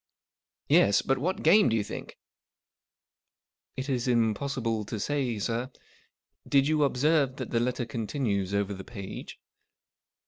" Yes. But what game, do you think ?"" It is impossible to say, sir. Did you observe that the letter continues over the page